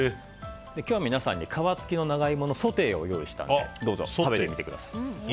今日は皆さんに皮付きの長イモのソテーを用意しましたのでどうぞ、食べてみてください。